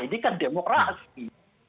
ini kan demokrasi